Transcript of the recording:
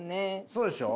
そうでしょ？